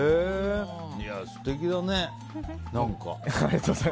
素敵だね、何か。